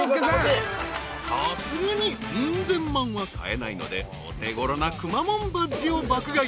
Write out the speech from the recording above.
［さすがにうん千万は買えないのでお手ごろなくまモンバッジを爆買い］